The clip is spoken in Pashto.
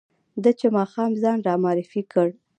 ده چې ماښام ځان را معرفي کړ.